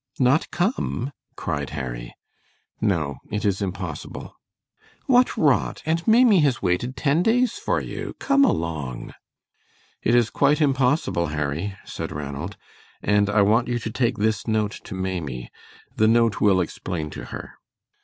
"Not come?" cried Harry. "No, it is impossible." "What rot, and Maimie has waited ten days for you. Come along!" "It is quite impossible, Harry," said Ranald, "and I want you to take this note to Maimie. The note will explain to her."